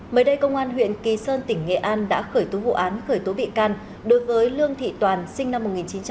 mới đây công an huyện kỳ sơn tỉnh nghệ an đã khởi tố vụ án khởi tố bị can đối với lương thị toàn sinh năm một nghìn chín trăm tám mươi